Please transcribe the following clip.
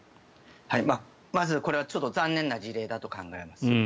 まずこれは残念な事例だと考えます。